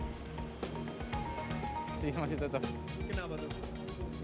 masih masih tetap kenapa tuh